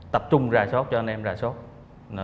tập trung ra shop cho anh em ra shop